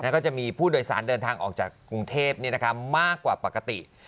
ก็จะมีผู้โดยสารเดินทางออกจากกรุงเทพมากกว่าปกติ